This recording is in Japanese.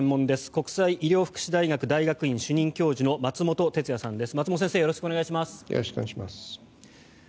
国際医療福祉大学大学院主任教授の松本哲哉さんです。